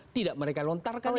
tidak mereka lontarkan itu